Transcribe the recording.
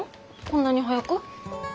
こんなに早く？